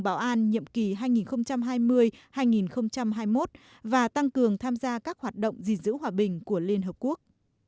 bảo an nhiệm kỳ hai nghìn hai mươi hai nghìn hai mươi một và tăng cường tham gia các hoạt động gìn giữ hòa bình của liên hợp quốc